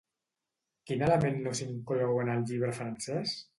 Quin element no s'inclou en el llibre francès?